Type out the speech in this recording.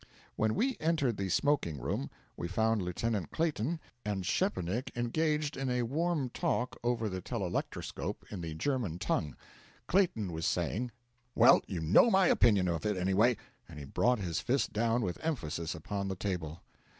When we entered the smoking room we found Lieutenant Clayton and Szczepanik engaged in a warm talk over the telelectroscope in the German tongue. Clayton was saying: 'Well, you know my opinion of it, anyway!' and he brought his fist down with emphasis upon the table.